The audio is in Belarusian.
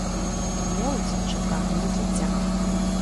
Моладзь жа прагне развіцця.